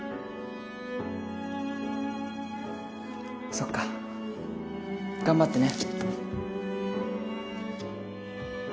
そっか頑張ってね。